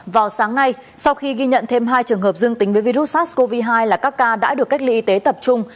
vào sáng nay sau khi ghi nhận thêm hai trường hợp dương tính với virus sars cov hai là các ca đã được cách ly y tế tập trung